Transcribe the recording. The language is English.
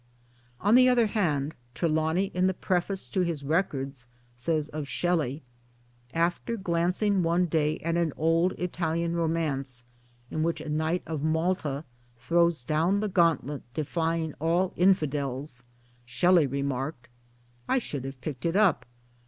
On the other hand Trelawny in the Preface to his Records says of Shelley :" After glancing one day at an old Italian romance, in which a knight of Malta throws down the gauntlet defying all infidels, Shelley remarked :'/ should have picked it up.